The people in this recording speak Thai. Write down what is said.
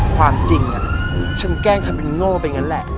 ความจริงฉันแกล้งทำเป็นโง่ไปงั้นแหละ